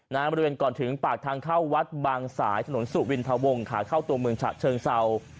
บริเวณก่อนถึงปากทางเข้าวัดบางสายถนนสุวินทะวงขาเข้าตัวเมืองฉะเชิงเศร้า